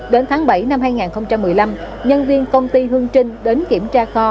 đến tháng bảy năm hai nghìn một mươi năm nhân viên công ty hương trinh đến kiểm tra kho